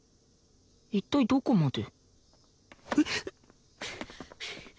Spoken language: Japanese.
一体どこまで